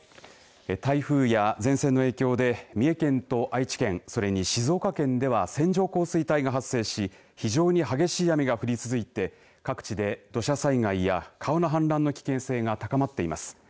台風や前線の影響で三重県と愛知県それに静岡県では線状降水帯が発生し非常に激しい雨が降り続いて各地で土砂災害や川の氾濫の危険性が高まっています。